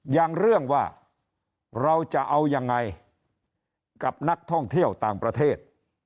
อย่างเรื่องว่าเราจะเอายังไงกับนักท่องเที่ยวต่างประเทศ